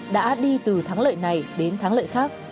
đã đi từ thắng lợi này đến thắng lợi khác